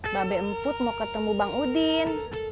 babe emput mau ketemu bang udin